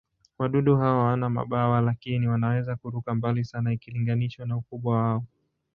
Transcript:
Wadudu hao hawana mabawa, lakini wanaweza kuruka mbali sana ikilinganishwa na ukubwa wao.